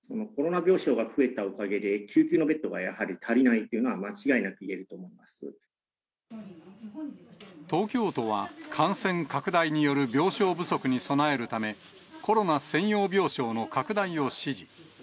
コロナ病床が増えたおかげで、救急のベッドがやはり足りないというのは、東京都は、感染拡大による病床不足に備えるため、コロナ専用病床の拡大を指示。